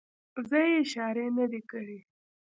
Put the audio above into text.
زه یې اشارې نه دي کړې.